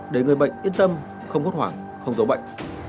để người bệnh yên tâm không hốt hoảng không giấu bệnh